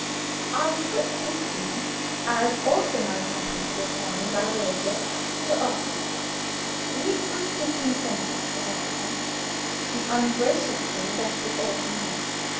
I put this view (as also my plan for returning by way of Dieppe) to Oscar. He briefly consented to everything he ungraciously left it all to me.